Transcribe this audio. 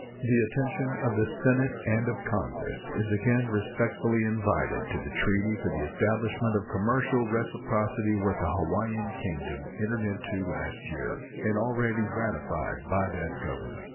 The attention of the Senate and of Congress is again respectfully invited to the treaty for the establishment of commercial reciprocity with the Hawaiian Kingdom entered into last year, and already ratified by that Government.